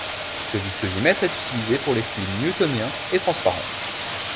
Ce viscosimètre est utilisé pour les fluides newtoniens et transparents.